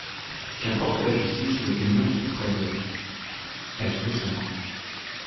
Qu’importent la justice et l’opinion auprès de …» Elle frissonna.